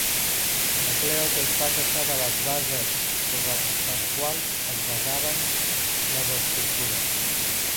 Macleod es va queixar de les bases sobre les quals es basaven les estructures.